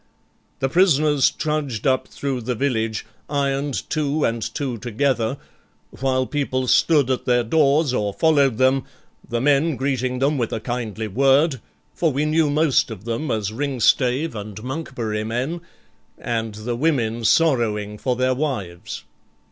The prisoners trudged up through the village ironed two and two together, while people stood at their doors or followed them, the men greeting them with a kindly word, for we knew most of them as Ringstave and Monkbury men, and the women sorrowing for their wives.